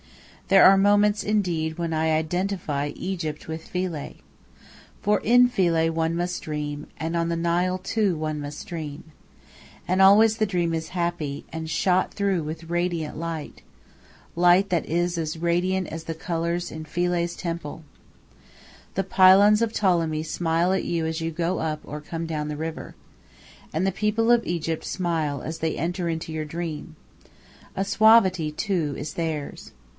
There are moments, indeed, when I identify Egypt with Philae. For in Philae one must dream; and on the Nile, too, one must dream. And always the dream is happy, and shot through with radiant light light that is as radiant as the colors in Philae's temple. The pylons of Ptolemy smile at you as you go up or come down the river. And the people of Egypt smile as they enter into your dream. A suavity, too, is theirs.